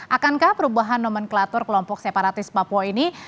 akankah perubahan nomenklatur kelompok separatis papua ini